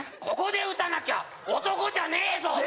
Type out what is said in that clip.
ここで打たなきゃ男じゃねえぞ